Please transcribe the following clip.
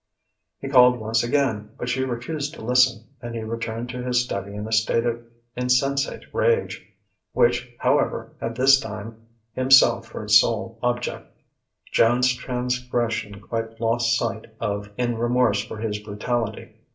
He called once again, but she refused to listen, and he returned to his study in a state of insensate rage; which, however, had this time himself for its sole object Joan's transgression quite lost sight of in remorse for his brutality.